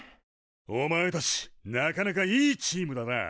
おまえたちなかなかいいチームだな。